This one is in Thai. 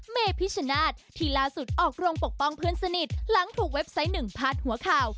เมพิชนาธิ์ที่ล่าสุดออกโรงปกป้องเพื่อนสนิทหลังถูกเว็บไซต์หนึ่งพาดหัวข่าว